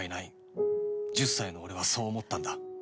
１０歳の俺はそう思ったんだ